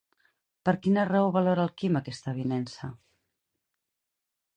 Per quina raó valora Quim aquesta avinença?